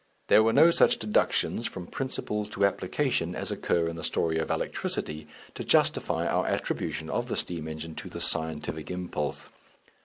There were no such deductions from principles to application as occur in the story of electricity to justify our attribution of the steam engine to the scientific impulse.